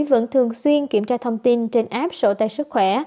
vẫn thường xuyên kiểm tra thông tin trên app sổ tay sức khỏe